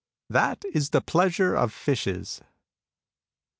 That is the pleasure of fishes.''